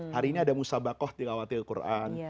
hari ini ada mus'haf bakoh di lawat al quran